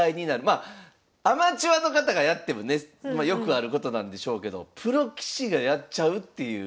まあアマチュアの方がやってもねまあよくあることなんでしょうけどプロ棋士がやっちゃうっていう。